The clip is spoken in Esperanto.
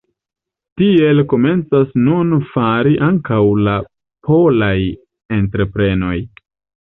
Tiel komencas nun fari ankaŭ la polaj entreprenoj.